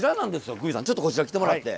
宮司さんちょっとこちら来てもらって。